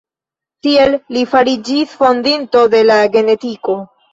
Tiel li fariĝis fondinto de la genetiko.